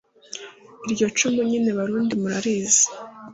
iryo cumu nyine barundi murarizi